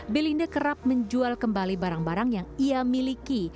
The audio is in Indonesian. belinda kerap menjual kembali barang barang yang ia miliki